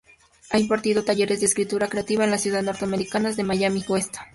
Ha impartido talleres de escritura creativa en las ciudades norteamericanas de Miami y Weston.